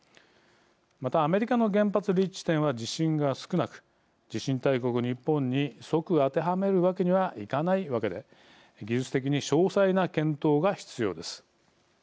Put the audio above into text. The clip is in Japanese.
また、アメリカの原発立地地点は地震が少なく地震大国日本に即、当てはめるわけにはいかないわけで技術的に詳細な検討が必要です。